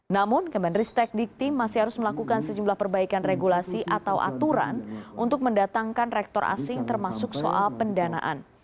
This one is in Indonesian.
namun kemenristek dikti masih harus melakukan sejumlah perbaikan regulasi atau aturan untuk mendatangkan rektor asing termasuk soal pendanaan